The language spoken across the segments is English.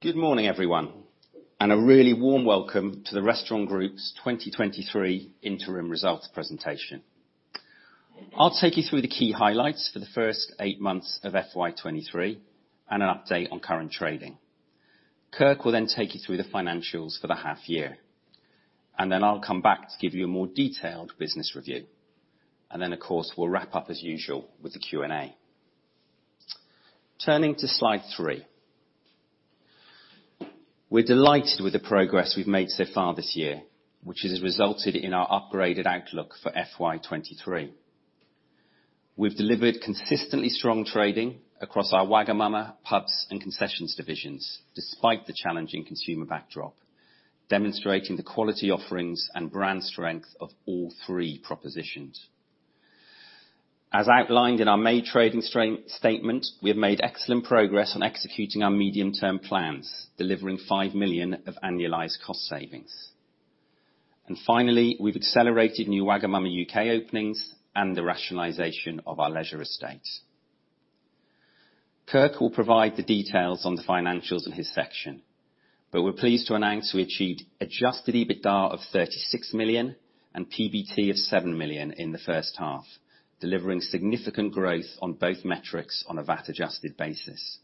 Good morning, everyone, and a really warm welcome to The Restaurant Group's 2023 interim results presentation. I'll take you through the key highlights for the first eight months of FY 2023, and an update on current trading. Kirk will then take you through the financials for the half year, and then I'll come back to give you a more detailed business review. Then, of course, we'll wrap up as usual with the Q&A. Turning to slide three. We're delighted with the progress we've made so far this year, which has resulted in our upgraded outlook for FY 2023. We've delivered consistently strong trading across our Wagamama, pubs, and concessions divisions, despite the challenging consumer backdrop, demonstrating the quality offerings and brand strength of all three propositions. As outlined in our main trading statement, we have made excellent progress on executing our medium-term plans, delivering 5 million of annualized cost savings. And finally, we've accelerated new Wagamama UK openings and the rationalization of our leisure estate. Kirk will provide the details on the financials in his section, but we're pleased to announce we achieved adjusted EBITDA of 36 million and PBT of 7 million in the first half, delivering significant growth on both metrics on a VAT-adjusted basis.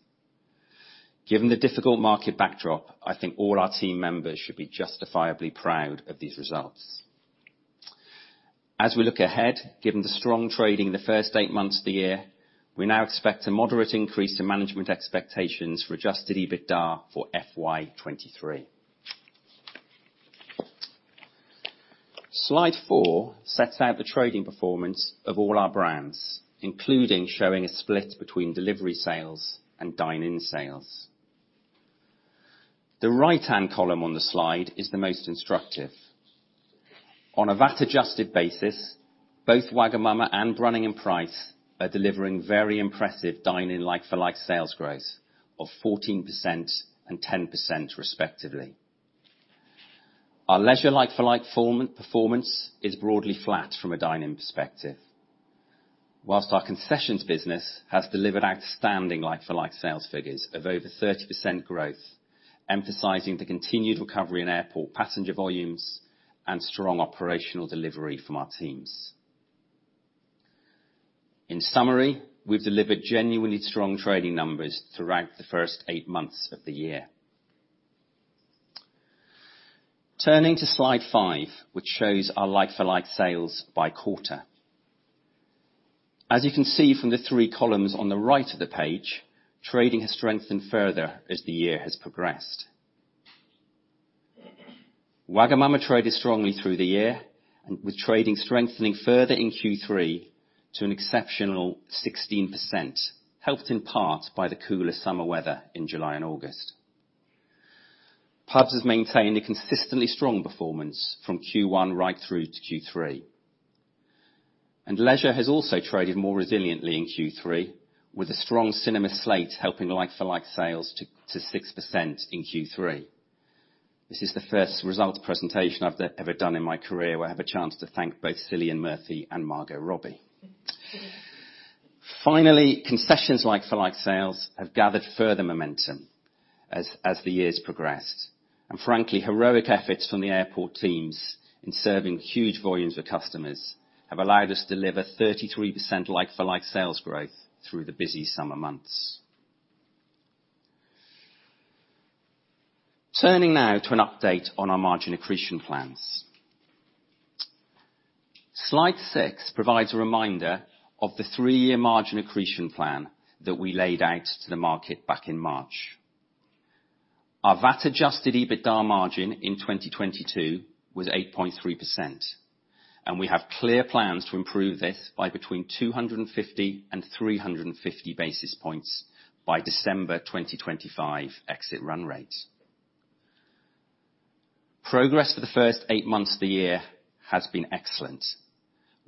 Given the difficult market backdrop, I think all our team members should be justifiably proud of these results. As we look ahead, given the strong trading in the first eight months of the year, we now expect a moderate increase in management expectations for adjusted EBITDA for FY 2023. Slide four sets out the trading performance of all our brands, including showing a split between delivery sales and dine-in sales. The right-hand column on the slide is the most instructive. On a VAT-adjusted basis, both Wagamama and Brunning & Price are delivering very impressive dine-in like-for-like sales growth of 14% and 10% respectively. Our leisure like-for-like performance is broadly flat from a dine-in perspective. While our concessions business has delivered outstanding like-for-like sales figures of over 30% growth, emphasizing the continued recovery in airport passenger volumes and strong operational delivery from our teams. In summary, we've delivered genuinely strong trading numbers throughout the first eight months of the year. Turning to slide five, which shows our like-for-like sales by quarter. As you can see from the 3 columns on the right of the page, trading has strengthened further as the year has progressed. Wagamama traded strongly through the year and with trading strengthening further in Q3 to an exceptional 16%, helped in part by the cooler summer weather in July and August. Pubs has maintained a consistently strong performance from Q1 right through to Q3. Leisure has also traded more resiliently in Q3, with a strong cinema slate helping like-for-like sales to, to 6% in Q3. This is the first results presentation I've ever done in my career, where I have a chance to thank both Cillian Murphy and Margot Robbie. Finally, concessions like-for-like sales have gathered further momentum as the years progressed, and frankly, heroic efforts from the airport teams in serving huge volumes of customers have allowed us to deliver 33% like-for-like sales growth through the busy summer months. Turning now to an update on our margin accretion plans. Slide six provides a reminder of the three-year margin accretion plan that we laid out to the market back in March. Our VAT-adjusted EBITDA margin in 2022 was 8.3%, and we have clear plans to improve this by between 250 and 350 basis points by December 2025 exit run rates. Progress for the first eight months of the year has been excellent.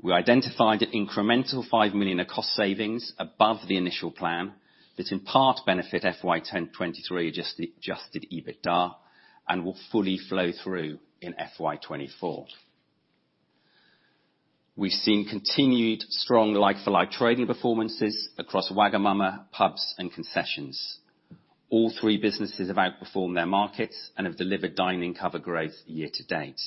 We identified an incremental 5 million of cost savings above the initial plan that in part benefit FY 2023 adjusted EBITDA and will fully flow through in FY 2024. We've seen continued strong like-for-like trading performances across Wagamama, pubs, and concessions. All three businesses have outperformed their markets and have delivered dine-in cover growth year-to-date.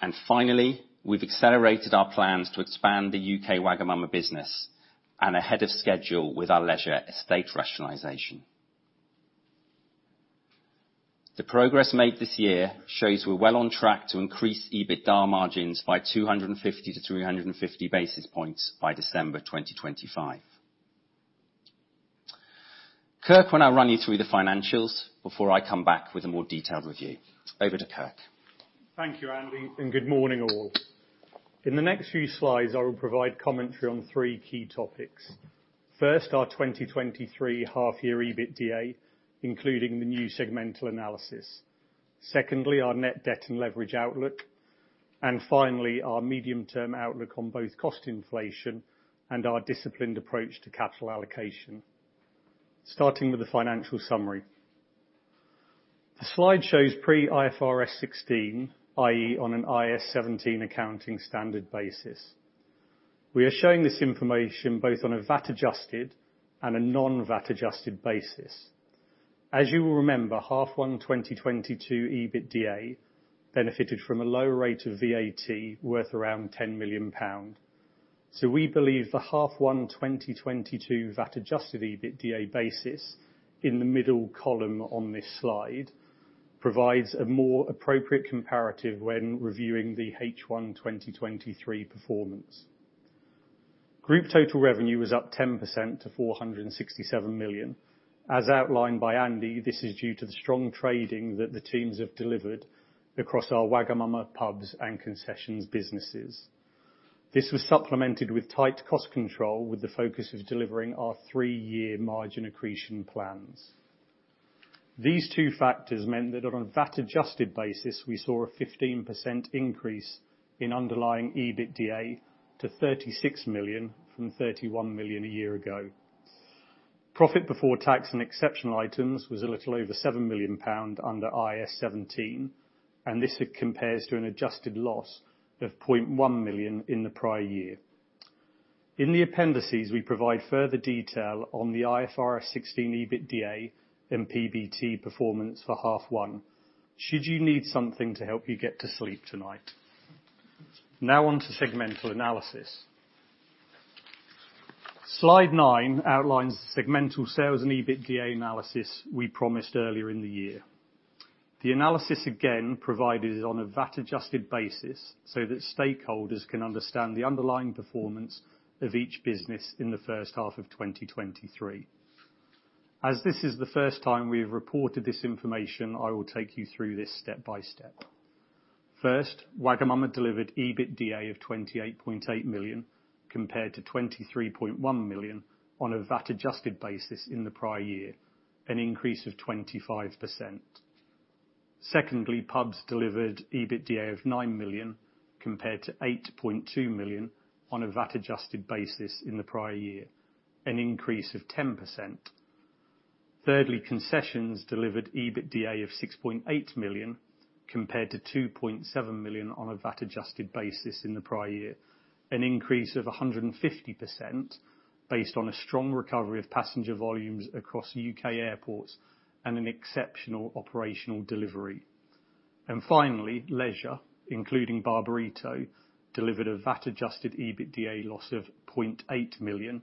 And finally, we've accelerated our plans to expand the U.K. Wagamama business and ahead of schedule with our leisure estate rationalization. The progress made this year shows we're well on track to increase EBITDA margins by 250-350 basis points by December 2025. Kirk will now run you through the financials before I come back with a more detailed review. Over to Kirk. Thank you, Andy, and good morning, all. In the next few slides, I will provide commentary on three key topics. First, our 2023 half year EBITDA, including the new segmental analysis. Secondly, our net debt and leverage outlook. And finally, our medium-term outlook on both cost inflation and our disciplined approach to capital allocation. Starting with the financial summary. The slide shows pre IFRS 16, i.e., on an IAS 17 accounting standard basis. We are showing this information both on a VAT-adjusted and a non-VAT-adjusted basis. As you will remember, half one 2022 EBITDA benefited from a low rate of VAT worth around 10 million pound. So we believe the half one 2022 VAT-adjusted EBITDA basis, in the middle column on this slide, provides a more appropriate comparative when reviewing the H1 2023 performance. Group total revenue was up 10% to 467 million. As outlined by Andy, this is due to the strong trading that the teams have delivered across our Wagamama pubs and concessions businesses. This was supplemented with tight cost control, with the focus of delivering our three-year margin accretion plans. These two factors meant that on a VAT-adjusted basis, we saw a 15% increase in underlying EBITDA, to 36 million from 31 million a year ago. Profit before tax and exceptional items was a little over 7 million pound under IAS 17, and this compares to an adjusted loss of 0.1 million in the prior year. In the appendices, we provide further detail on the IFRS 16 EBITDA and PBT performance for half one, should you need something to help you get to sleep tonight? Now on to segmental analysis. Slide nine outlines the segmental sales and EBITDA analysis we promised earlier in the year. The analysis, again, provided is on a VAT-adjusted basis, so that stakeholders can understand the underlying performance of each business in the first half of 2023. As this is the first time we've reported this information, I will take you through this step-by-step. First, Wagamama delivered EBITDA of 28.8 million, compared to 23.1 million on a VAT-adjusted basis in the prior year, an increase of 25%. Secondly, pubs delivered EBITDA of 9 million, compared to 8.2 million on a VAT-adjusted basis in the prior year, an increase of 10%. Thirdly, concessions delivered EBITDA of 6.8 million, compared to 2.7 million on a VAT-adjusted basis in the prior year, an increase of 150%, based on a strong recovery of passenger volumes across U.K. airports and an exceptional operational delivery. And finally, leisure, including Barburrito, delivered a VAT-adjusted EBITDA loss of 0.8 million,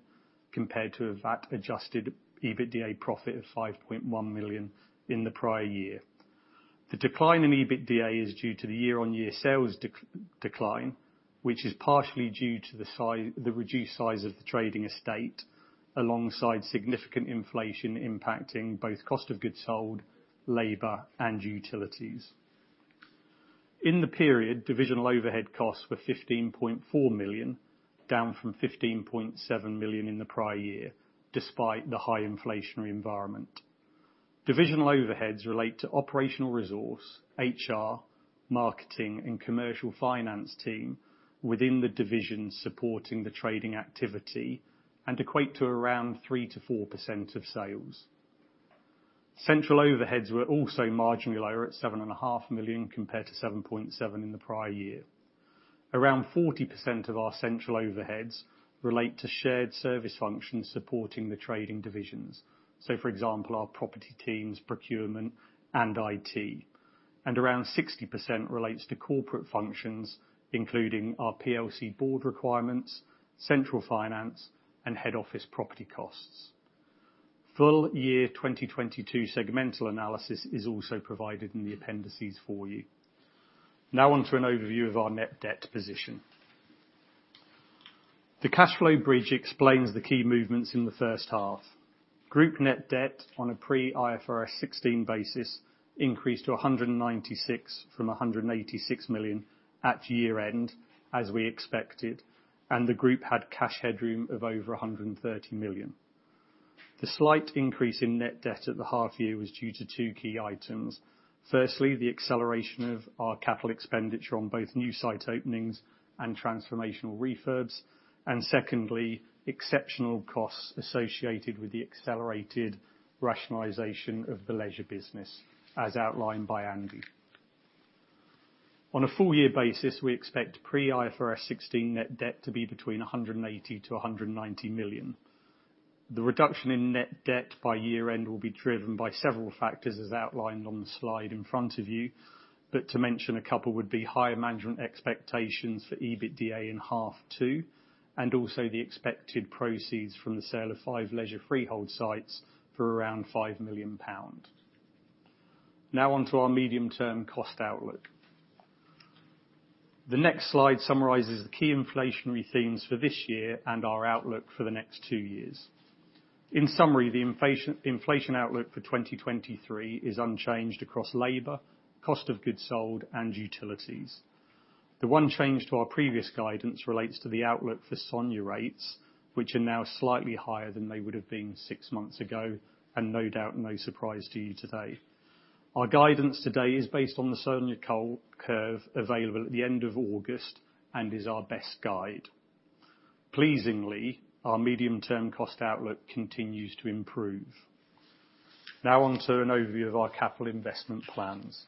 compared to a VAT-adjusted EBITDA profit of 5.1 million in the prior year. The decline in EBITDA is due to the year-on-year sales decline, which is partially due to the reduced size of the trading estate, alongside significant inflation impacting both cost of goods sold, labor, and utilities. In the period, divisional overhead costs were 15.4 million, down from 15.7 million in the prior year, despite the high inflationary environment. Divisional overheads relate to operational resource, HR, marketing, and commercial finance team within the division supporting the trading activity, and equate to around 3%-4% of sales. Central overheads were also marginally lower, at 7.5 million, compared to 7.7 million in the prior year. Around 40% of our central overheads relate to shared service functions supporting the trading divisions, so for example, our property teams, procurement, and IT. Around 60% relates to corporate functions, including our PLC board requirements, central finance, and head office property costs. Full year 2022 segmental analysis is also provided in the appendices for you. Now on to an overview of our net debt position. The cash flow bridge explains the key movements in the first half. Group net debt on a pre-IFRS 16 basis increased to 196 million from 186 million at year-end, as we expected, and the group had cash headroom of over 130 million. The slight increase in net debt at the half year was due to two key items. Firstly, the acceleration of our capital expenditure on both new site openings and transformational refurbs, and secondly, exceptional costs associated with the accelerated rationalization of the leisure business, as outlined by Andy. On a full year basis, we expect pre-IFRS 16 net debt to be between 180 million-190 million. The reduction in net debt by year-end will be driven by several factors, as outlined on the slide in front of you, but to mention a couple would be higher management expectations for EBITDA in half two, and also the expected proceeds from the sale of five leisure freehold sites for around 5 million pounds. Now on to our medium-term cost outlook. The next slide summarizes the key inflationary themes for this year and our outlook for the next two years. In summary, the inflation outlook for 2023 is unchanged across labor, cost of goods sold, and utilities. The one change to our previous guidance relates to the outlook for SONIA rates, which are now slightly higher than they would have been six months ago, and no doubt, no surprise to you today. Our guidance today is based on the SONIA yield curve available at the end of August and is our best guide.... Pleasingly, our medium-term cost outlook continues to improve. Now on to an overview of our capital investment plans.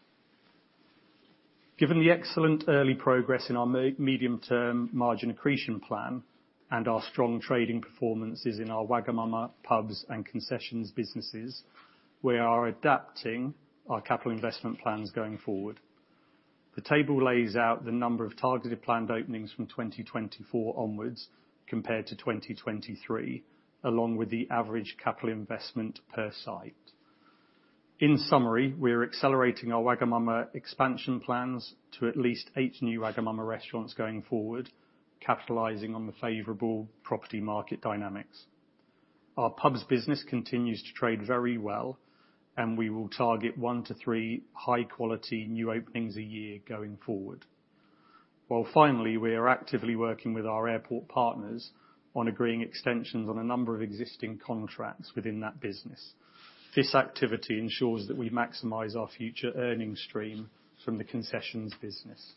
Given the excellent early progress in our medium-term margin accretion plan and our strong trading performances in our Wagamama pubs and concessions businesses, we are adapting our capital investment plans going forward. The table lays out the number of targeted planned openings from 2024 onwards, compared to 2023, along with the average capital investment per site. In summary, we are accelerating our Wagamama expansion plans to at least eight new Wagamama restaurants going forward, capitalizing on the favorable property market dynamics. Our pubs business continues to trade very well, and we will target one to three high-quality new openings a year going forward. Well, finally, we are actively working with our airport partners on agreeing extensions on a number of existing contracts within that business. This activity ensures that we maximize our future earnings stream from the concessions business.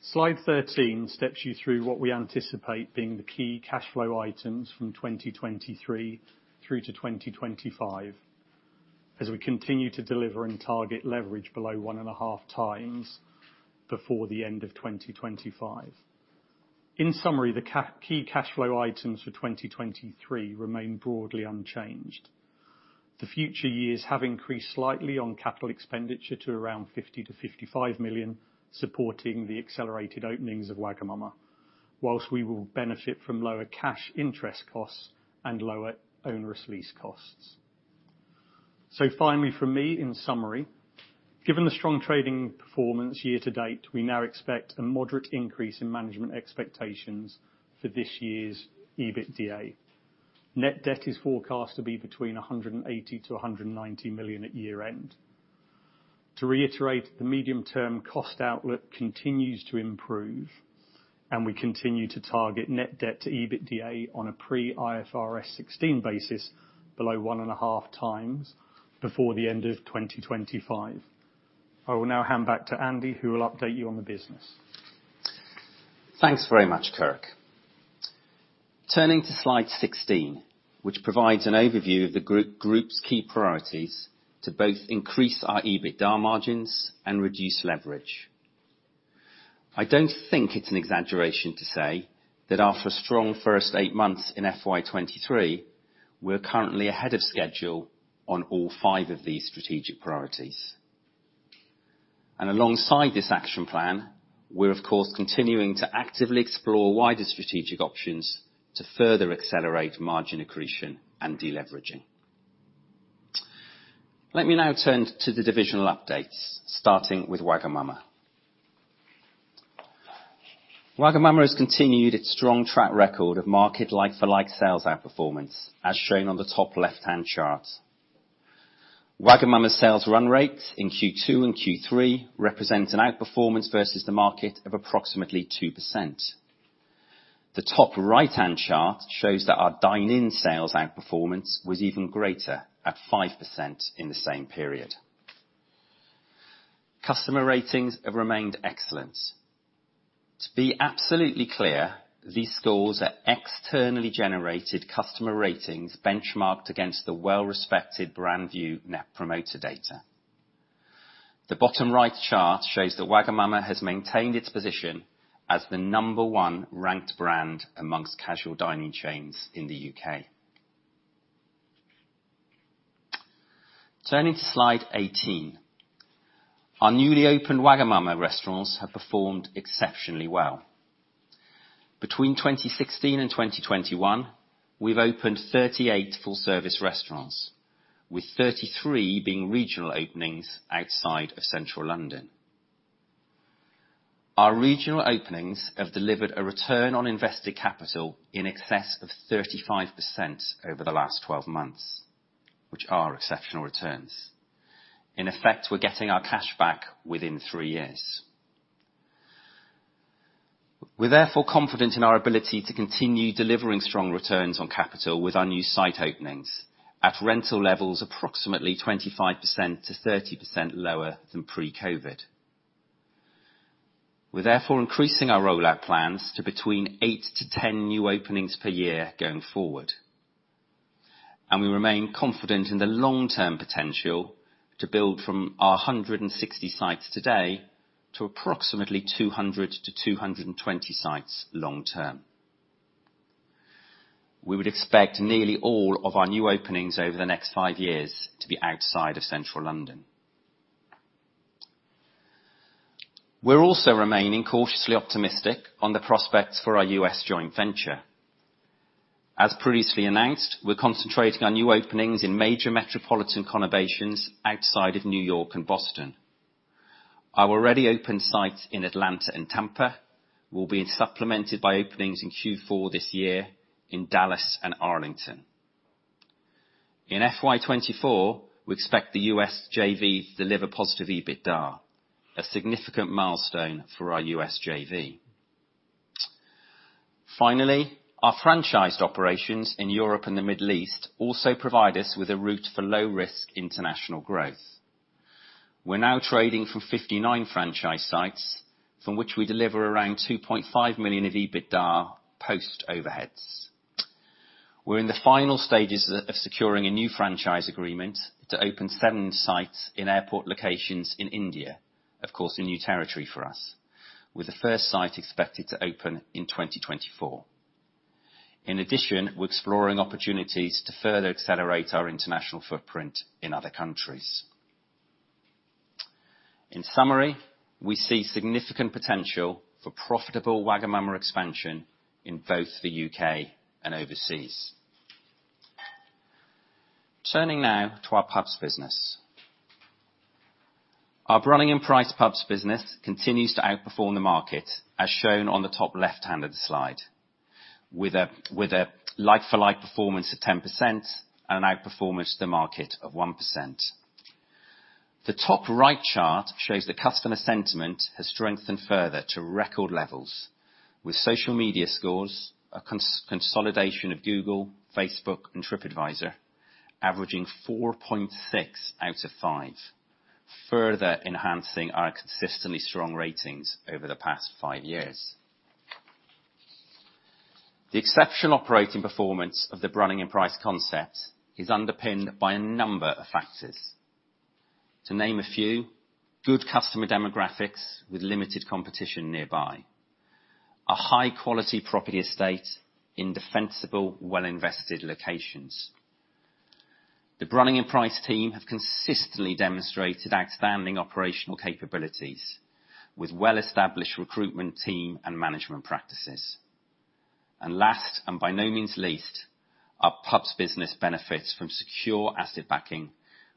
Slide 13 steps you through what we anticipate being the key cash flow items from 2023 through to 2025, as we continue to deliver and target leverage below 1.5 times before the end of 2025. In summary, the key cash flow items for 2023 remain broadly unchanged. The future years have increased slightly on capital expenditure to around 50-55 million, supporting the accelerated openings of Wagamama, while we will benefit from lower cash interest costs and lower onerous lease costs. So finally, from me, in summary, given the strong trading performance year to date, we now expect a moderate increase in management expectations for this year's EBITDA. Net debt is forecast to be between 180 million-190 million at year-end. To reiterate, the medium-term cost outlook continues to improve, and we continue to target net debt to EBITDA on a pre-IFRS 16 basis below 1.5 times before the end of 2025. I will now hand back to Andy, who will update you on the business. Thanks very much, Kirk. Turning to slide 16, which provides an overview of the group, group's key priorities to both increase our EBITDA margins and reduce leverage. I don't think it's an exaggeration to say that after a strong first eight months in FY 2023, we're currently ahead of schedule on all five of these strategic priorities. And alongside this action plan, we're of course, continuing to actively explore wider strategic options to further accelerate margin accretion and deleveraging. Let me now turn to the divisional updates, starting with Wagamama. Wagamama has continued its strong track record of market like-for-like sales outperformance, as shown on the top left-hand chart. Wagamama's sales run rate in Q2 and Q3 represent an outperformance versus the market of approximately 2%. The top right-hand chart shows that our dine-in sales outperformance was even greater, at 5% in the same period. Customer ratings have remained excellent. To be absolutely clear, these scores are externally generated customer ratings, benchmarked against the well-respected BrandVue Net Promoter data. The bottom right chart shows that Wagamama has maintained its position as the number one ranked brand amongst casual dining chains in the UK. Turning to slide 18, our newly opened Wagamama restaurants have performed exceptionally well. Between 2016 and 2021, we've opened 38 full-service restaurants, with 33 being regional openings outside of central London. Our regional openings have delivered a return on invested capital in excess of 35% over the last 12 months, which are exceptional returns. In effect, we're getting our cash back within three years. We're therefore confident in our ability to continue delivering strong returns on capital with our new site openings, at rental levels approximately 25%-30% lower than pre-COVID. We're therefore increasing our rollout plans to between eight to 10 new openings per year going forward, and we remain confident in the long-term potential to build from our 160 sites today to approximately 200-220 sites long term. We would expect nearly all of our new openings over the next five years to be outside of central London. We're also remaining cautiously optimistic on the prospects for our U.S. joint venture. As previously announced, we're concentrating on new openings in major metropolitan conurbations outside of New York and Boston. Our already open sites in Atlanta and Tampa will be supplemented by openings in Q4 this year in Dallas and Arlington. In FY 2024, we expect the U.S. JV to deliver positive EBITDA, a significant milestone for our U.S. JV. Finally, our franchised operations in Europe and the Middle East also provide us with a route for low-risk international growth. We're now trading from 59 franchise sites, from which we deliver around 2.5 million of EBITDA post-overheads. We're in the final stages of securing a new franchise agreement to open 7 sites in airport locations in India, of course, a new territory for us, with the first site expected to open in 2024. In addition, we're exploring opportunities to further accelerate our international footprint in other countries. In summary, we see significant potential for profitable Wagamama expansion in both the UK and overseas. Turning now to our pubs business. Our Brunning & Price pubs business continues to outperform the market, as shown on the top left-hand of the slide, with a like-for-like performance of 10% and an outperformance to the market of 1%. The top right chart shows that customer sentiment has strengthened further to record levels, with social media scores, a consolidation of Google, Facebook, and TripAdvisor, averaging 4.6 out of five, further enhancing our consistently strong ratings over the past five years. The exceptional operating performance of the Brunning & Price concept is underpinned by a number of factors. To name a few, good customer demographics with limited competition nearby, a high-quality property estate in defensible, well-invested locations. The Brunning & Price team have consistently demonstrated outstanding operational capabilities with well-established recruitment team and management practices. Last, and by no means least, our pubs business benefits from secure asset backing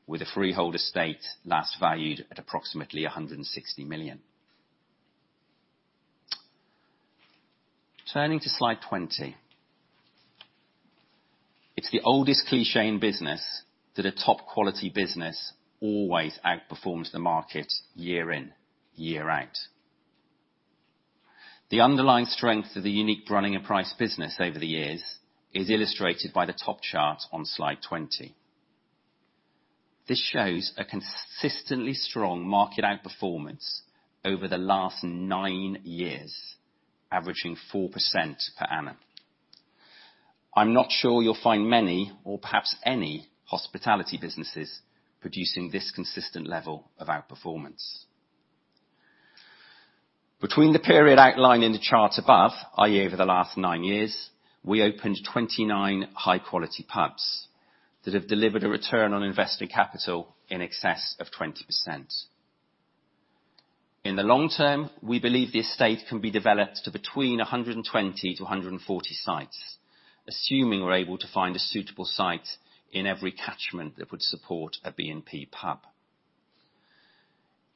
with a freehold estate last valued at approximately 160 million. Turning to Slide 20. It's the oldest cliché in business that a top-quality business always outperforms the market year in, year out. The underlying strength of the unique Brunning & Price business over the years is illustrated by the top chart on Slide 20. This shows a consistently strong market outperformance over the last nine years, averaging 4% per annum. I'm not sure you'll find many or perhaps any hospitality businesses producing this consistent level of outperformance. Between the period outlined in the chart above, i.e., over the last nine years, we opened 29 high-quality pubs that have delivered a return on invested capital in excess of 20%. In the long term, we believe the estate can be developed to between 120 to 140 sites, assuming we're able to find a suitable site in every catchment that would support a B&P pub.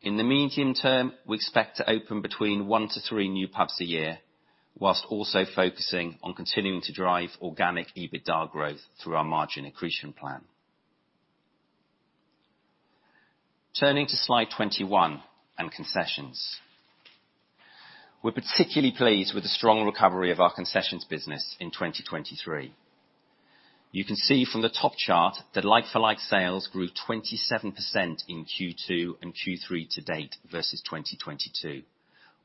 In the medium term, we expect to open between one to three new pubs a year, while also focusing on continuing to drive organic EBITDA growth through our margin accretion plan. Turning to Slide 21 and concessions. We're particularly pleased with the strong recovery of our concessions business in 2023. You can see from the top chart that like-for-like sales grew 27% in Q2 and Q3 to date versus 2022,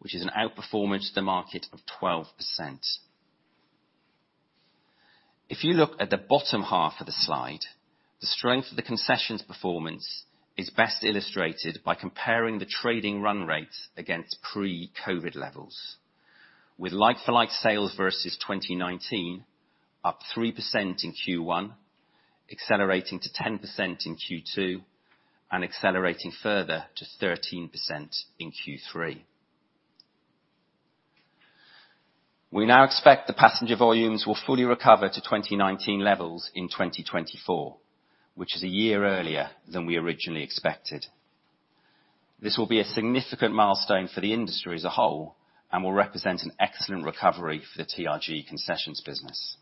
which is an outperformance to the market of 12%. If you look at the bottom half of the slide, the strength of the concessions performance is best illustrated by comparing the trading run rate against pre-COVID levels, with like-for-like sales versus 2019 up 3% in Q1, accelerating to 10% in Q2, and accelerating further to 13% in Q3. We now expect the passenger volumes will fully recover to 2019 levels in 2024, which is a year earlier than we originally expected. This will be a significant milestone for the industry as a whole and will represent an excellent recovery for the TRG concessions business.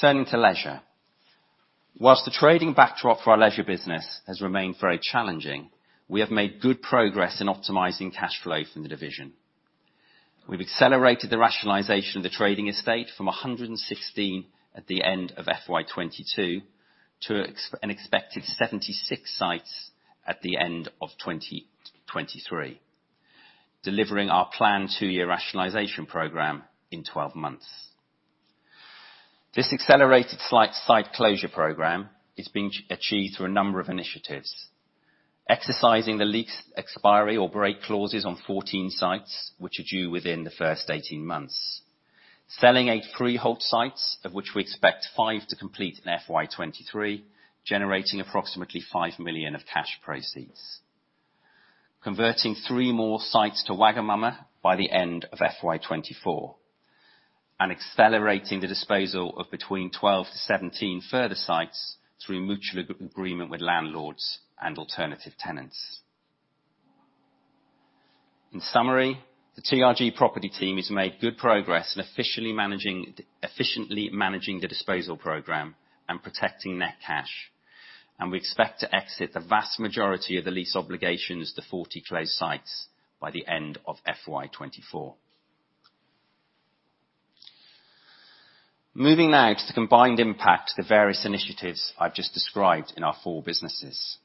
Turning to leisure. Whilst the trading backdrop for our leisure business has remained very challenging, we have made good progress in optimizing cash flow from the division. We've accelerated the rationalization of the trading estate from 116 at the end of FY 2022 to an expected 76 sites at the end of 2023, delivering our planned two-year rationalization program in 12 months. This accelerated site closure program is being achieved through a number of initiatives: exercising the lease expiry or break clauses on 14 sites, which are due within the first 18 months, selling eight freehold sites, of which we expect five to complete in FY 2023, generating approximately 5 million of cash proceeds, converting three more sites to Wagamama by the end of FY 2024, and accelerating the disposal of between 12-17 further sites through mutual agreement with landlords and alternative tenants. In summary-... The TRG property team has made good progress in efficiently managing the disposal program and protecting net cash, and we expect to exit the vast majority of the lease obligations to 40 closed sites by the end of FY 2024. Moving now to the combined impact, the various initiatives I've just described in our four businesses.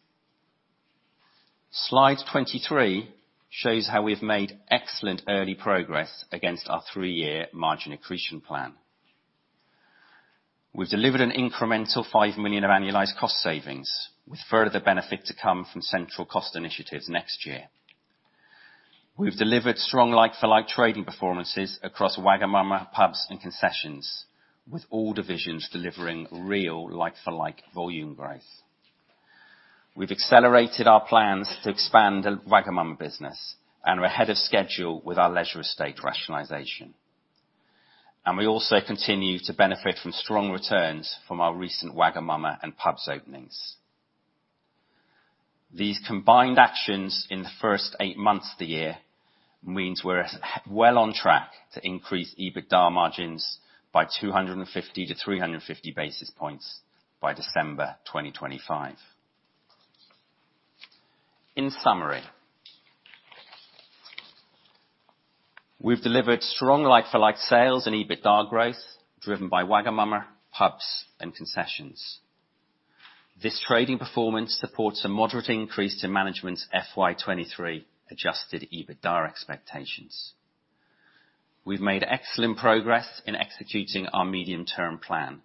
Slide 23 shows how we've made excellent early progress against our three-year margin accretion plan. We've delivered an incremental 5 million of annualized cost savings, with further benefit to come from central cost initiatives next year. We've delivered strong like-for-like trading performances across Wagamama, pubs, and concessions, with all divisions delivering real like-for-like volume growth. We've accelerated our plans to expand the Wagamama business, and we're ahead of schedule with our leisure estate rationalization. We also continue to benefit from strong returns from our recent Wagamama and pubs openings. These combined actions in the first eight months of the year means we're well on track to increase EBITDA margins by 250-350 basis points by December 2025. In summary, we've delivered strong like-for-like sales and EBITDA growth, driven by Wagamama, pubs, and concessions. This trading performance supports a moderate increase to management's FY 2023 adjusted EBITDA expectations. We've made excellent progress in executing our medium-term plan.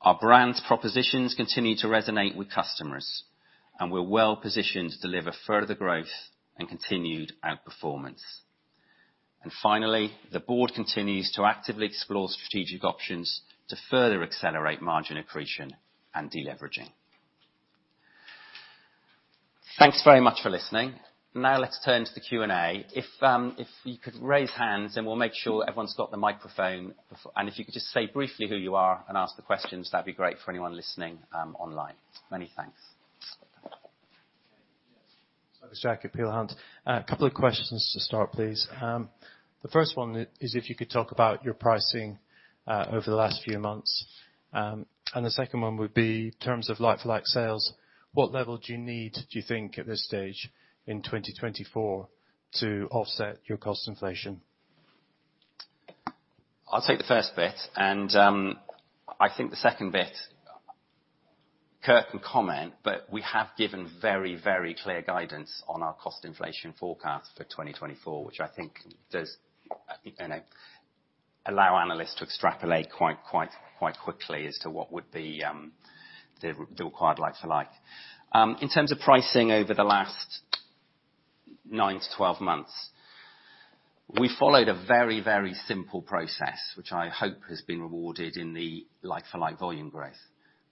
Our brand's propositions continue to resonate with customers, and we're well positioned to deliver further growth and continued outperformance. And finally, the board continues to actively explore strategic options to further accelerate margin accretion and deleveraging. Thanks very much for listening. Now, let's turn to the Q&A. If you could raise hands, and we'll make sure everyone's got the microphone. If you could just say briefly who you are and ask the questions, that'd be great for anyone listening, online. Many thanks. Okay, yes. Douglas Jack of Peel Hunt. A couple of questions to start, please. The first one is if you could talk about your pricing over the last few months. And the second one would be in terms of like-for-like sales, what level do you need, do you think, at this stage in 2024 to offset your cost inflation? I'll take the first bit, and I think the second bit, Kirk can comment, but we have given very, very clear guidance on our cost inflation forecast for 2024, which I think does, I think, you know, allow analysts to extrapolate quite, quite, quite quickly as to what would be the required like-for-like. In terms of pricing over the last nine to 12 months, we followed a very, very simple process, which I hope has been rewarded in the like-for-like volume growth.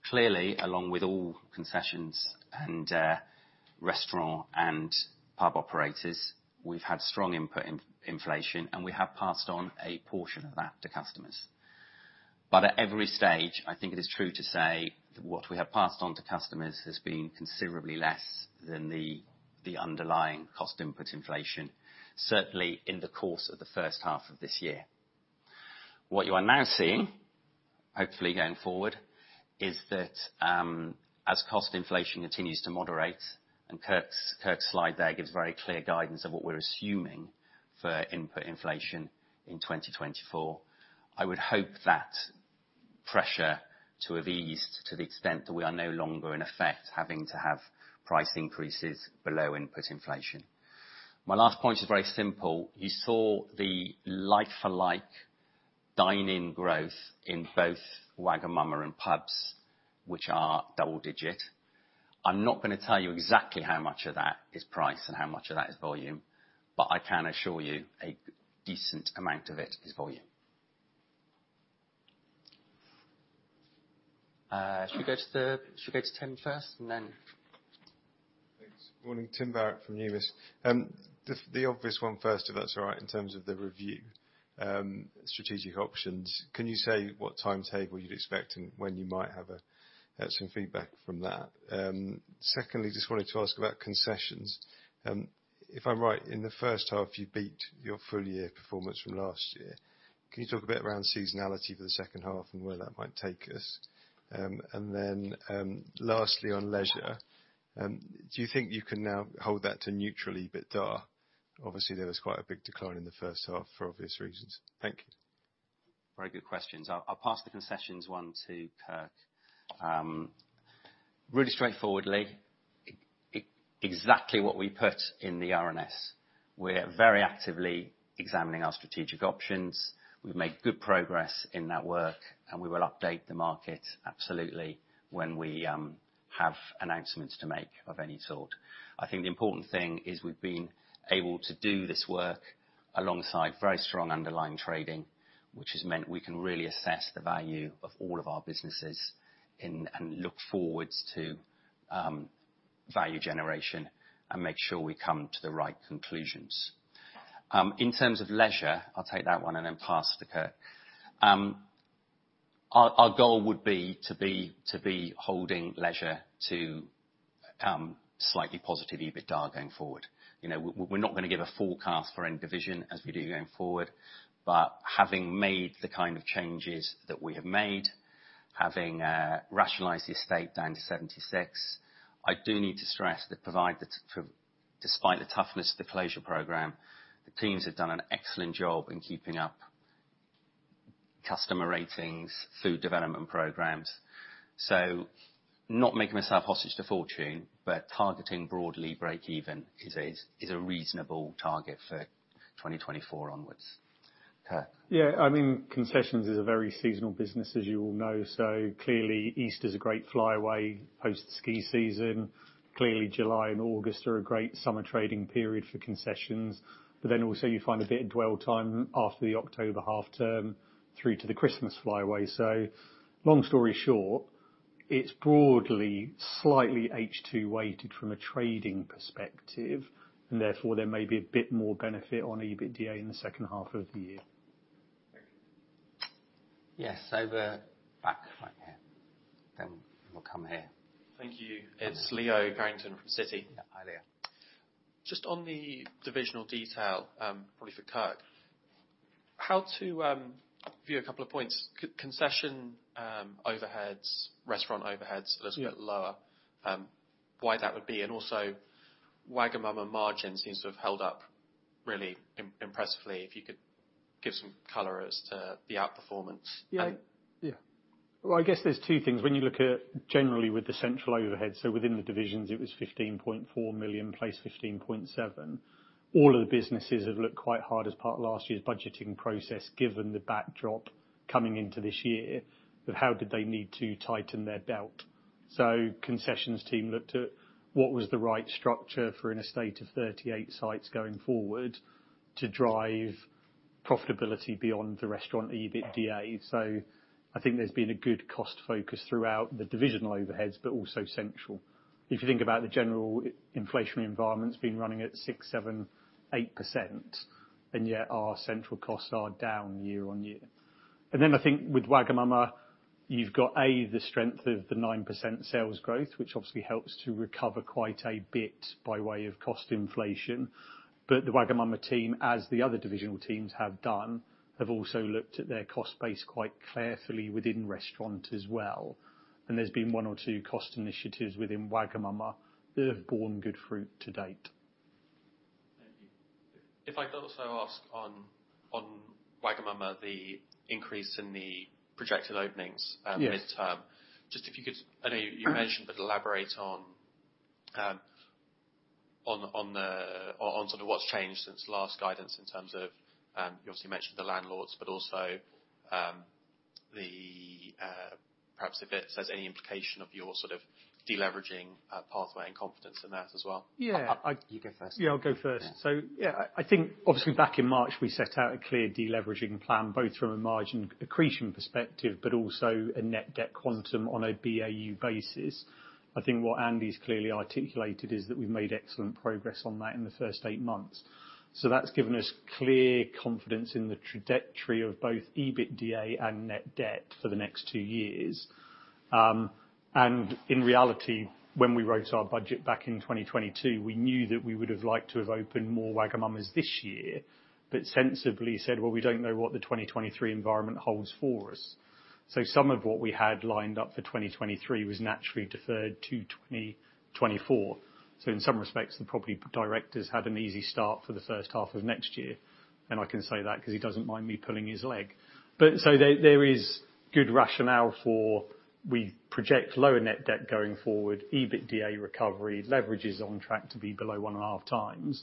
Clearly, along with all concessions and restaurant and pub operators, we've had strong input in inflation, and we have passed on a portion of that to customers. But at every stage, I think it is true to say that what we have passed on to customers has been considerably less than the underlying cost input inflation, certainly in the course of the first half of this year. What you are now seeing, hopefully going forward, is that, as cost inflation continues to moderate, and Kirk's slide there gives very clear guidance of what we're assuming for input inflation in 2024, I would hope that pressure to have eased to the extent that we are no longer, in effect, having to have price increases below input inflation. My last point is very simple: you saw the like-for-like dine-in growth in both Wagamama and pubs, which are double-digit. I'm not gonna tell you exactly how much of that is price and how much of that is volume, but I can assure you a decent amount of it is volume. Should we go to the... Should we go to Tim first, and then- Thanks. Morning, Tim Barrett from Numis. The obvious one first, if that's all right, in terms of the review. Strategic options, can you say what timetable you'd expect and when you might have some feedback from that? Secondly, just wanted to ask about concessions. If I'm right, in the first half, you beat your full year performance from last year. Can you talk a bit around seasonality for the second half and where that might take us? And then, lastly, on leisure, do you think you can now hold that to neutral EBITDA? Obviously, there was quite a big decline in the first half for obvious reasons. Thank you. Very good questions. I'll pass the concessions one to Kirk. Really straightforwardly, exactly what we put in the RNS. We're very actively examining our strategic options. We've made good progress in that work, and we will update the market absolutely when we have announcements to make of any sort. I think the important thing is we've been able to do this work alongside very strong underlying trading, which has meant we can really assess the value of all of our businesses and look forwards to value generation and make sure we come to the right conclusions. In terms of leisure, I'll take that one and then pass to Kirk. Our goal would be to be holding leisure to slightly positive EBITDA going forward. You know, we're not going to give a forecast for any division as we do going forward, but having made the kind of changes that we have made, having rationalized the estate down to 76, I do need to stress that, despite the toughness of the closure program, the teams have done an excellent job in keeping up customer ratings, food development programs. So not making myself hostage to fortune, but targeting broadly break even is a reasonable target for 2024 onwards. Kirk? Yeah, I mean, concessions is a very seasonal business, as you all know. So clearly, Easter is a great flyaway post-ski season. Clearly, July and August are a great summer trading period for concessions, but then also you find a bit of dwell time after the October half term through to the Christmas flyaway. So long story short, it's broadly slightly H2 weighted from a trading perspective, and therefore there may be a bit more benefit on EBITDA in the second half of the year. Yes, over back, back here, then we'll come here. Thank you. It's Leo Carrington from Citi. Yeah. Hi, Leo. Just on the divisional detail, probably for Kirk, how to view a couple of points, concession overheads, restaurant overheads- Yeah... a little bit lower, why that would be? And also Wagamama margins seems to have held up really impressively. If you could give some color as to the outperformance. Yeah. Yeah. Well, I guess there's two things. When you look at generally with the central overhead, so within the divisions, it was 15.4 million versus 15.7 million. All of the businesses have looked quite hard as part of last year's budgeting process, given the backdrop coming into this year, of how did they need to tighten their belt. So concessions team looked at what was the right structure for an estate of 38 sites going forward to drive profitability beyond the restaurant EBITDA. So I think there's been a good cost focus throughout the divisional overheads, but also central. If you think about the general inflationary environment's been running at 6%, 7%, 8%, and yet our central costs are down year-on-year. Then I think with Wagamama, you've got A, the strength of the 9% sales growth, which obviously helps to recover quite a bit by way of cost inflation. But the Wagamama team, as the other divisional teams have done, have also looked at their cost base quite carefully within Restaurant as well. There's been one or two cost initiatives within Wagamama that have borne good fruit to date. Thank you. If I could also ask on, on Wagamama, the increase in the projected openings. Yes... mid-term, just if you could. I know you mentioned, but elaborate on the sort of what's changed since last guidance in terms of, you obviously mentioned the landlords, but also, perhaps if it has any implication of your sort of deleveraging pathway and confidence in that as well. Yeah. I- You go first. Yeah, I'll go first. Yeah. So yeah, I, I think obviously back in March, we set out a clear deleveraging plan, both from a margin accretion perspective, but also a net debt quantum on a BAU basis. I think what Andy's clearly articulated is that we've made excellent progress on that in the first eight months. So that's given us clear confidence in the trajectory of both EBITDA and net debt for the next two years. And in reality, when we wrote our budget back in 2022, we knew that we would have liked to have opened more Wagamamas this year, but sensibly said, "Well, we don't know what the 2023 environment holds for us." So some of what we had lined up for 2023 was naturally deferred to 2024. So in some respects, the property directors had an easy start for the first half of next year, and I can say that 'cause he doesn't mind me pulling his leg. But there is good rationale for we project lower net debt going forward, EBITDA recovery, leverage is on track to be below 1.5x,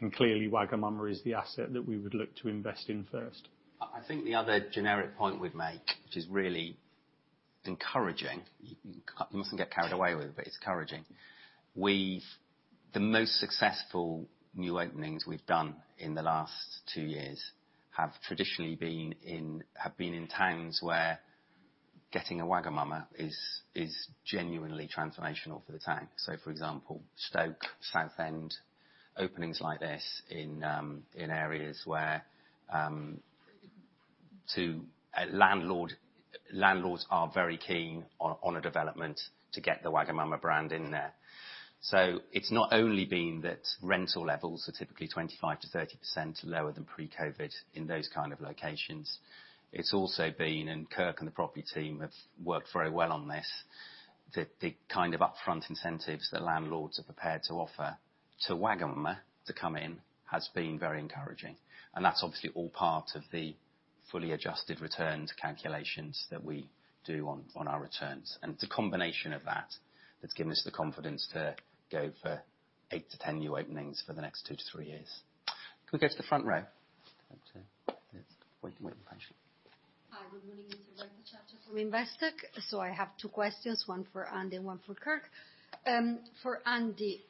and clearly, Wagamama is the asset that we would look to invest in first. I think the other generic point we'd make, which is really encouraging, you mustn't get carried away with it, but it's encouraging. The most successful new openings we've done in the last two years have been in towns where getting a Wagamama is genuinely transformational for the town. So for example, Stoke, Southend, openings like this in areas where landlords are very keen on a development to get the Wagamama brand in there. So it's not only been that rental levels are typically 25%-30% lower than pre-COVID in those kind of locations. It's also been, and Kirk and the property team have worked very well on this, the kind of upfront incentives that landlords are prepared to offer to Wagamama to come in has been very encouraging, and that's obviously all part of the fully adjusted returns calculations that we do on our returns. It's a combination of that, that's given us the confidence to go for eight to 10 new openings for the next two to three years. Can we go to the front row? I'd like to... Yes, wait, wait, actually. Hi, good morning. It's Kate Calvert from Investec. So I have two questions, one for Andy and one for Kirk. For Andy,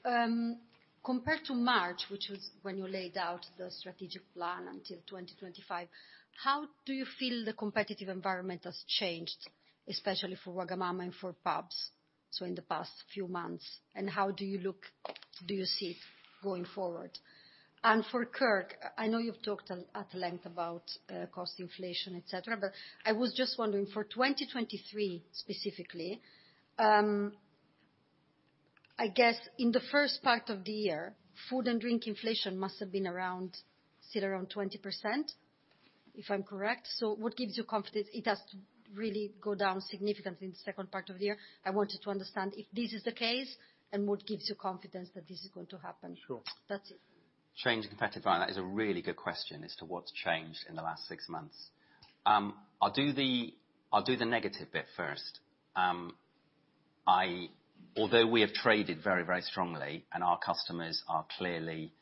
compared to March, which was when you laid out the strategic plan until 2025, how do you feel the competitive environment has changed, especially for Wagamama and for pubs, so in the past few months? And how do you see it going forward? For Kirk, I know you've talked at length about cost inflation, et cetera, et cetera, but I was just wondering, for 2023, specifically, I guess in the first part of the year, food and drink inflation must have been around, still around 20%, if I'm correct? So what gives you confidence it has to really go down significantly in the second part of the year? I wanted to understand if this is the case, and what gives you confidence that this is going to happen? Sure. That's it. Change in competitive environment, that is a really good question as to what's changed in the last six months. I'll do the negative bit first. Although we have traded very, very strongly, and our customers are clearly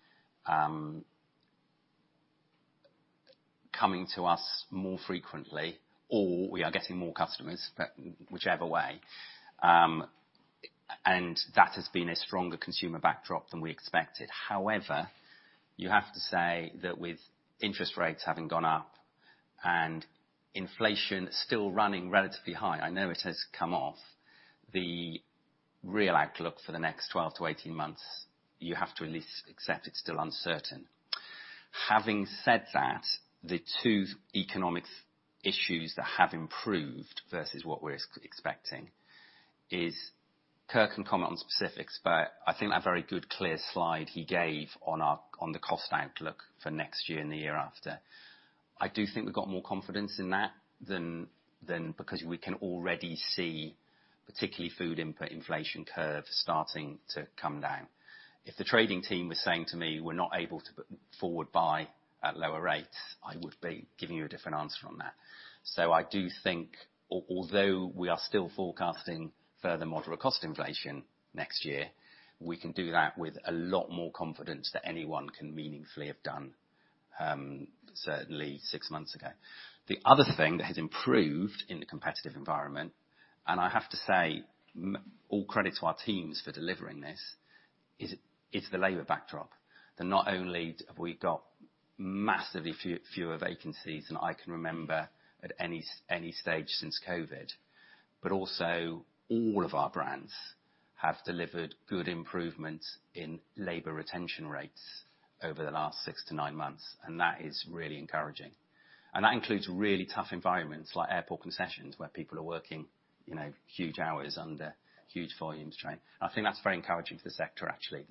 coming to us more frequently, or we are getting more customers, but whichever way, and that has been a stronger consumer backdrop than we expected. However, you have to say that with interest rates having gone up and inflation still running relatively high, I know it has come off, the real outlook for the next 12-18 months, you have to at least accept it's still uncertain. Having said that, the two economic issues that have improved versus what we're expecting is... Kirk can comment on specifics, but I think a very good, clear slide he gave on the cost outlook for next year and the year after. I do think we've got more confidence in that than because we can already see, particularly food input inflation curves starting to come down. If the trading team was saying to me, "We're not able to put forward buy at lower rates," I would be giving you a different answer on that. So I do think, although we are still forecasting further moderate cost inflation next year, we can do that with a lot more confidence than anyone can meaningfully have done, certainly six months ago. The other thing that has improved in the competitive environment, and I have to say all credit to our teams for delivering this, is the labor backdrop. That not only have we got massively fewer vacancies than I can remember at any stage since COVID, but also, all of our brands have delivered good improvements in labor retention rates over the last six to nine months, and that is really encouraging. And that includes really tough environments like airport concessions, where people are working, you know, huge hours under huge volume strain. I think that's very encouraging for the sector, actually,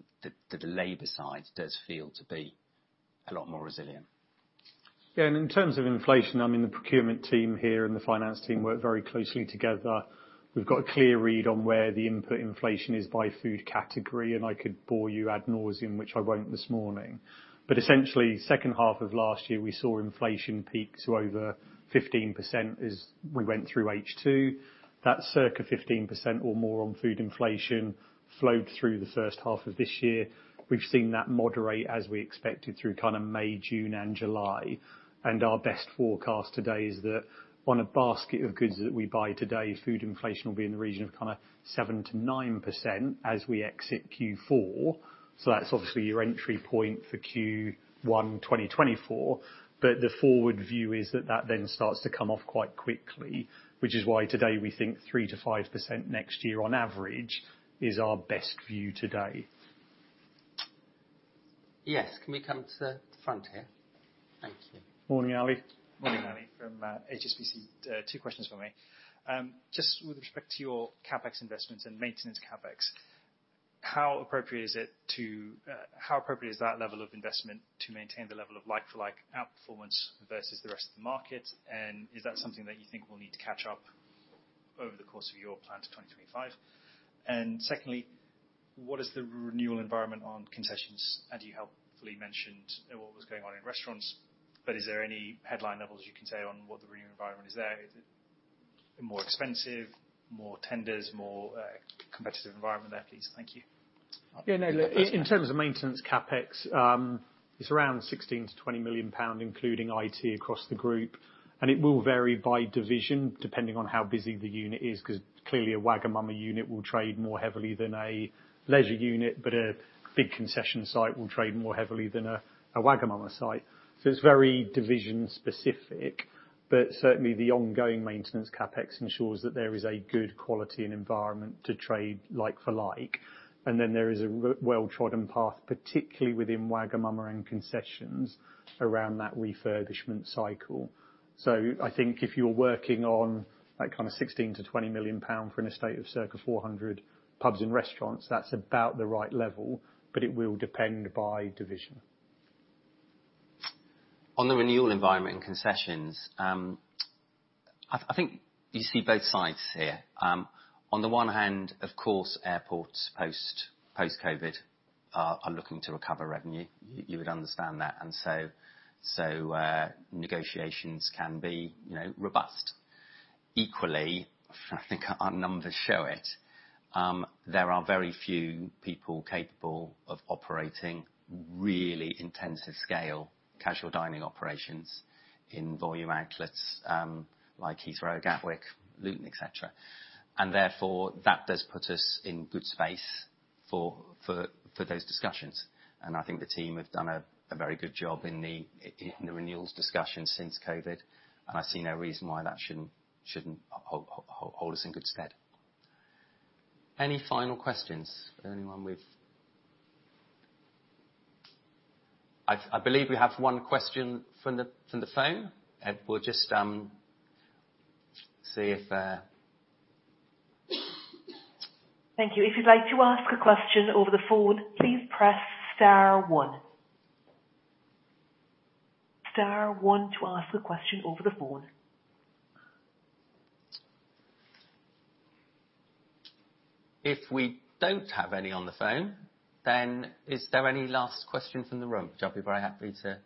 the labor side does feel to be a lot more resilient. Yeah, and in terms of inflation, I mean, the procurement team here and the finance team work very closely together. We've got a clear read on where the input inflation is by food category, and I could bore you ad nauseam, which I won't this morning. But essentially, second half of last year, we saw inflation peak to over 15% as we went through H2. That circa 15% or more on food inflation flowed through the first half of this year. We've seen that moderate, as we expected, through kind of May, June and July. And our best forecast today is that on a basket of goods that we buy today, food inflation will be in the region of kind of 7%-9% as we exit Q4. So that's obviously your entry point for Q1 2024. The forward view is that that then starts to come off quite quickly, which is why today we think 3%-5% next year on average is our best view today. Yes. Can we come to the front here? Thank you. Morning, Ali. Morning, Ali, from HSBC. Two questions from me. Just with respect to your CapEx investments and maintenance CapEx, how appropriate is it to, how appropriate is that level of investment to maintain the level of like-for-like outperformance versus the rest of the market? And is that something that you think will need to catch up over the course of your plan to 2025? And secondly, what is the renewal environment on concessions? And you helpfully mentioned what was going on in restaurants, but is there any headline levels you can say on what the renewal environment is there? Is it more expensive, more tenders, more, competitive environment there, please? Thank you. Yeah, no, look, in terms of maintenance CapEx, it's around 16 million-20 million pound, including IT, across the group, and it will vary by division, depending on how busy the unit is, 'cause clearly, a Wagamama unit will trade more heavily than a leisure unit, but a big concession site will trade more heavily than a Wagamama site. So it's very division specific, but certainly the ongoing maintenance CapEx ensures that there is a good quality and environment to trade like-for-like. And then, there is a well-trodden path, particularly within Wagamama and concessions, around that refurbishment cycle. So I think if you're working on, like, kind of 16 million-20 million pound for an estate of circa 400 pubs and restaurants, that's about the right level, but it will depend by division. On the renewal environment and concessions, I think you see both sides here. On the one hand, of course, airports post-COVID are looking to recover revenue. You would understand that. And so, negotiations can be, you know, robust. Equally, I think our numbers show it, there are very few people capable of operating really intensive scale, casual dining operations in volume outlets, like Heathrow, Gatwick, Luton, et cetera. And therefore, that does put us in good space for those discussions. And I think the team have done a very good job in the renewals discussions since COVID, and I see no reason why that shouldn't hold us in good stead. Any final questions from anyone with? I believe we have one question from the phone. We'll just see if Thank you. If you'd like to ask a question over the phone, please press star one. Star one to ask a question over the phone. If we don't have any on the phone, then is there any last question from the room? Which I'll be very happy to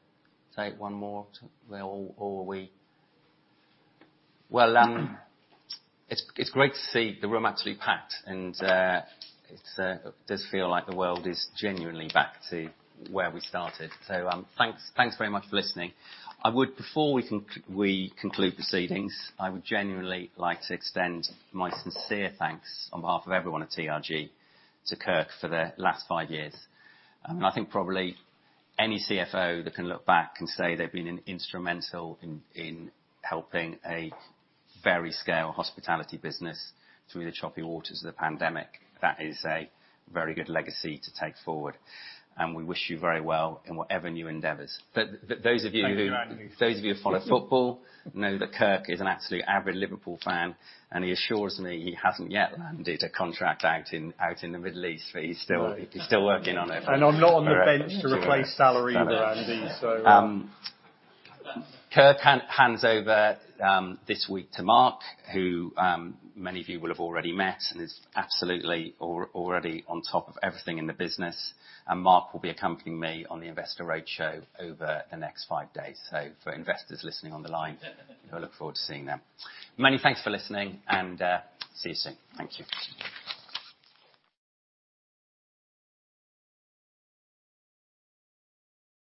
take one more to... Or, or we-- Well, it's great to see the room absolutely packed, and it does feel like the world is genuinely back to where we started. So, thanks very much for listening. Before we conclude proceedings, I would genuinely like to extend my sincere thanks on behalf of everyone at TRG to Kirk for the last five years. And I think probably any CFO that can look back and say they've been instrumental in helping a very scale hospitality business through the choppy waters of the pandemic, that is a very good legacy to take forward, and we wish you very well in whatever new endeavors. Thank you, Andy. Those of you who follow football know that Kirk is an absolute avid Liverpool fan, and he assures me he hasn't yet landed a contract out in the Middle East, but he's still working on it. No. And I'm not on the bench to replace Salah or Andy, so Kirk hands over this week to Mark, who many of you will have already met and is absolutely already on top of everything in the business. And Mark will be accompanying me on the Investor Roadshow over the next five days. So for investors listening on the line, I look forward to seeing them. Many thanks for listening and see you soon. Thank you.